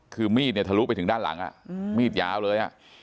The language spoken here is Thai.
คือมีดเนี่ยทะลุไปถึงด้านหลังมีดยาวเลย